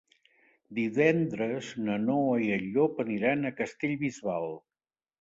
Divendres na Noa i en Llop aniran a Castellbisbal.